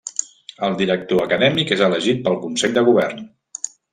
El Director acadèmic és elegit pel Consell de Govern.